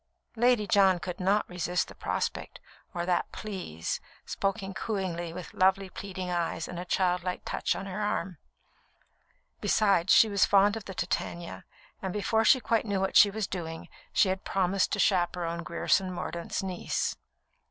Lady John could not resist the prospect, or that "Please," spoken cooingly, with lovely, pleading eyes and a childlike touch on her arm. Besides, she was fond of the Titania, and before she quite knew what she was doing, she had promised to chaperon Grierson Mordaunt's niece.